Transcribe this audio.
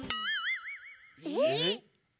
えっ！？